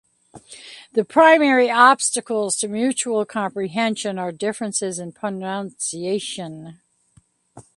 The primary obstacles to mutual comprehension are differences in pronunciation.